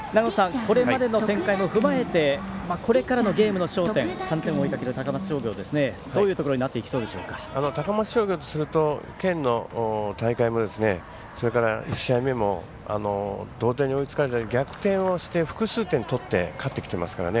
これまでの展開も踏まえてこれからのゲームの焦点３点を追いかける高松商業どういうところに高松商業とすると県の大会もそれから１試合目も同点に追いつかれて逆転をして、複数点、取って勝ってきてますからね。